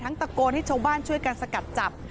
ตะโกนให้ชาวบ้านช่วยกันสกัดจับ